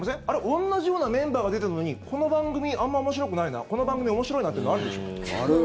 同じようなメンバーが出てるのにこの番組あんまり面白くないなこの番組面白いなっていうのあるでしょ。